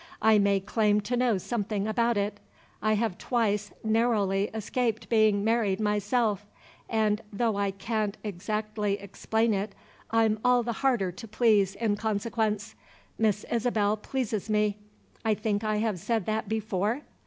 I may claim to know something about it. I have twice narrowly escaped being married myself; and, though I can't exactly explain it, I'm all the harder to please in consequence. Miss Isabel pleases me. I think I have said that before?